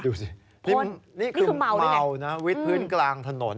นี่คือเมาด้วยไงอืมนี่คือเมานะวิทย์พื้นกลางถนน